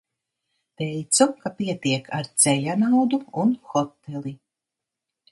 Teicu, ka pietiek ar ceļa naudu un hoteli.